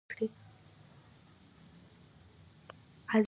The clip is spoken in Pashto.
ازادي راډیو د تعلیم په اړه د خلکو پوهاوی زیات کړی.